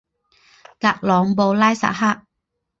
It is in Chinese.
格朗布拉萨克。